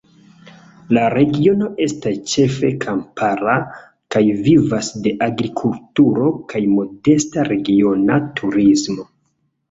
La regiono estas ĉefe kampara kaj vivas de agrikulturo kaj modesta regiona turismo.